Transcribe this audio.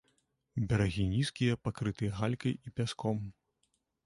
Берагі нізкія, пакрытыя галькай і пяском.